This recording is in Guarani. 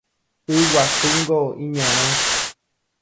Y guasúngo iñarõ